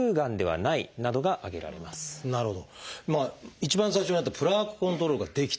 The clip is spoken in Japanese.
一番最初にあった「プラークコントロールができている」。